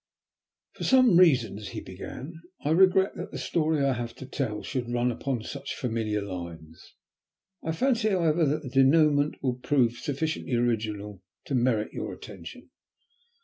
"For some reasons," he began, "I regret that the story I have to tell should run upon such familiar lines. I fancy, however, that the dénouement will prove sufficiently original to merit your attention.